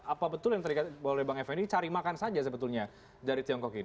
apa betul yang tadi oleh bang effendi cari makan saja sebetulnya dari tiongkok ini